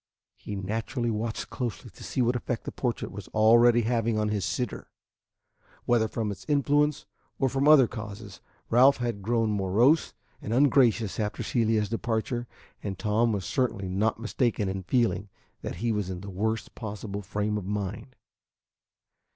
He naturally watched closely to see what effect the portrait was already having on his sitter. Whether from its influence or from other causes, Ralph had grown morose and ungracious after Celia's departure, and Tom was certainly not mistaken in feeling that he was in the worst possible frame of mind.